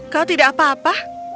kau tidak apa apa